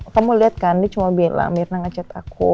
kamu lihat kan dia cuma bilang mirna ngecet aku